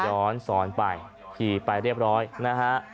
ย้อนสอนไปขี่ไปเรียบร้อยนะฮะ